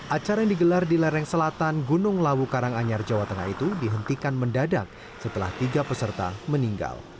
acara yang digelar di lereng selatan gunung lawu karanganyar jawa tengah itu dihentikan mendadak setelah tiga peserta meninggal